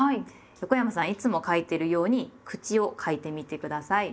横山さんいつも書いてるように「口」を書いてみて下さい。